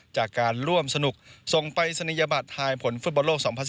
จากการร่วมสนุกส่งปรายศนียบัตรทายผลฟุตบอลโลก๒๐๑๙